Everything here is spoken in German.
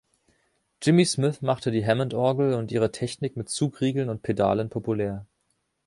Jimmy Smith machte die Hammond-Orgel und ihre Technik mit Zugriegeln und Pedalen populär.